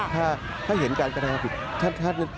ถ้าเห็นการกำลังเกิดปลอดภัย